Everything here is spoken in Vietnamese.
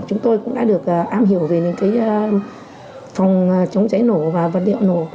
chúng tôi cũng đã được am hiểu về những phòng chống cháy nổ và vật liệu nổ